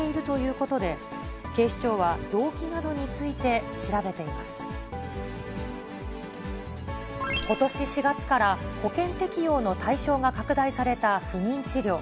ことし４月から保険適用の対象が拡大された不妊治療。